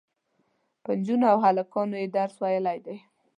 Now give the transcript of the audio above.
په نجونو او هلکانو یې درس ویلی دی.